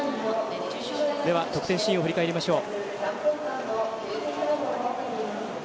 得点シーンを振り返りましょう。